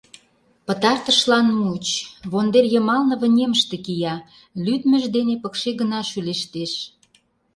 Пытартышлан муыч: вондер йымалне вынемыште кия, лӱдмыж дене пыкше гына шӱлештеш.